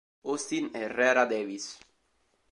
Austin Herrera Davis